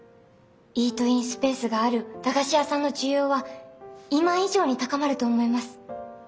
イートインスペースがある駄菓子屋さんの需要は今以上に高まると思います。